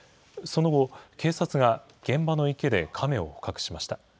その後、警察が現場の池でカメを捕獲しました。